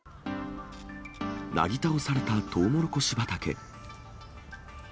なぎ倒されたトウモロコシ畑。